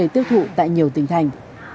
tiêu thụ tại nhiều tỉnh thành